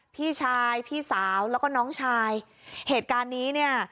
พี่ชายพี่สาวแล้วก็น้องชายเหตุการณ์นี้เนี่ย